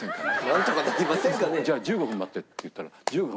「じゃあ１５分待って」って言ったら。